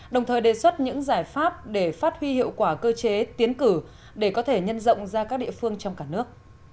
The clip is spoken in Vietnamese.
đồng thời đề xuất những giải pháp để phát huy hiệu quả cơ chế tiến cử để có thể nhân rộng ra các địa phương trong cả nước